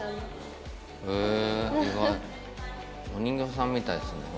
お人形さんみたいですね